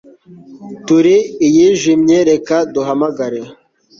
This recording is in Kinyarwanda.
turi iyijimye reka duhamagare